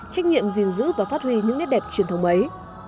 trách nhiệm gìn giữ và phát huy những nét đẹp truyền thống ấy